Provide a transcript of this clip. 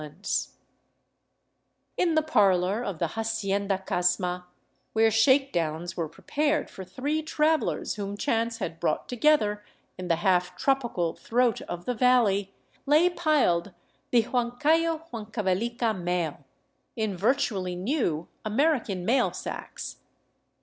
347 VAGABONDING DOWN THE ANDES In the parlor of the '* Hacienda Casma," where shake downs were prepared for three travelers whom chance had brought together in the half tropical throat of the valley, lay piled the Huancayo Huan cavelica mail, — in virtually new American mail sacks.